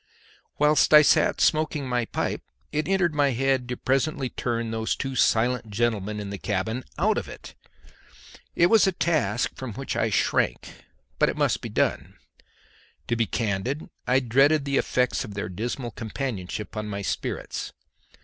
Whilst I sat smoking my pipe it entered my head to presently turn those two silent gentlemen in the cabin out of it. It was a task from which I shrank, but it must be done. To be candid, I dreaded the effects of their dismal companionship on my spirits.